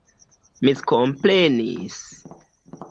miskomprenis